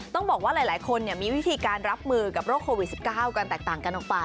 ต้องบอกว่าหลายคนมีวิธีการรับมือกับโรคโควิด๑๙การแตกต่างกันออกไป